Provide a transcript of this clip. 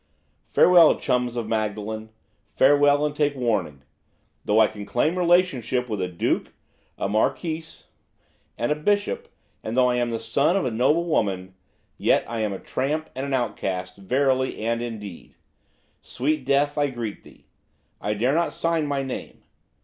Farewell, chums of Magdalen. Farewell, and take warning. Though I can claim relationship with a Duke, a Marquess, and a Bishop, and though I am the son of a noble woman, yet am I a tramp and an outcast, verily and indeed. Sweet death, I greet thee. I dare not sign my name.